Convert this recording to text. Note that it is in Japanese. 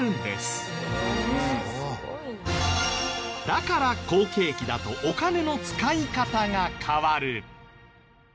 だから好景気だとお金の使い方が変わる。